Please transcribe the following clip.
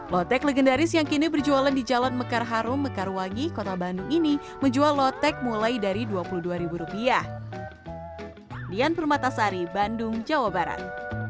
lotek legendaris yang kini berjualan di jalan mekar harum mekarwangi kota bandung ini menjual lotek mulai dari dua puluh dua ribu rupiah